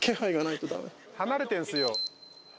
離れてんすよ。